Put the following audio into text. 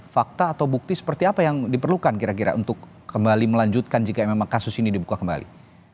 fakta atau bukti seperti apa yang diperlukan kira kira untuk kembali melanjutkan jika memang kasus ini dibuka kembali